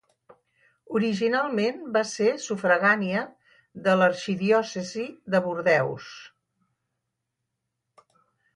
Originalment va ser sufragània de l'arxidiòcesi de Bordeus.